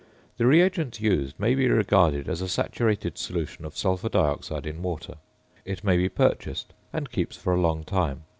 The reagent used may be regarded as a saturated solution of sulphur dioxide in water. It may be purchased, and keeps for a long time.